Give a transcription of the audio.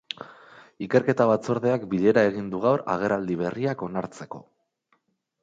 Ikerketa batzordeak bilera egin du gaur agerraldi berriak onartzeko.